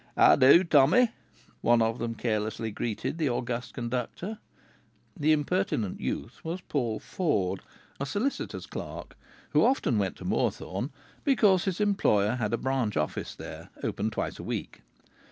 "How do, Tommy?" one of them carelessly greeted the august conductor. This impertinent youth was Paul Ford, a solicitor's clerk, who often went to Moorthorne because his employer had a branch office there, open twice a week.